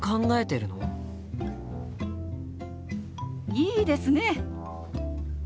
いいですね！